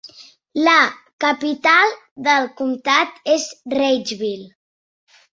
La capital del comptat és Reidsville.